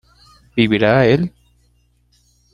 ¿vivirá él?